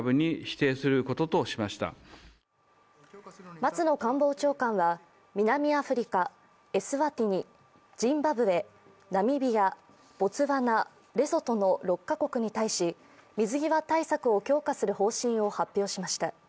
松野官房長官は、南アフリカ、エスワティニ、ジンバブエ、ナミビア、ボツワナ、レソトの６カ国に対し、水際対策を強化する方針を発表しました。